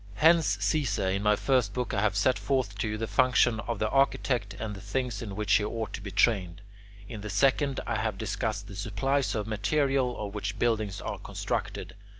Hence, Caesar, in my first book I have set forth to you the function of the architect and the things in which he ought to be trained. In the second I have discussed the supplies of material of which buildings are constructed.